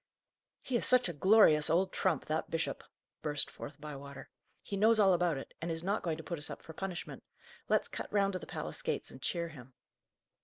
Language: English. "He is such a glorious old trump, that bishop!" burst forth Bywater. "He knows all about it, and is not going to put us up for punishment. Let's cut round to the palace gates and cheer him."